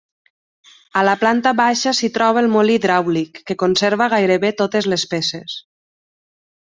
A la planta baixa s'hi troba el molí hidràulic, que conserva gairebé totes les peces.